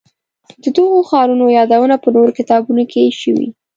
د دغو ښارونو یادونه په نورو کتابونو کې شوې.